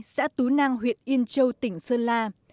xã tú nang huyện yên châu tỉnh sơn la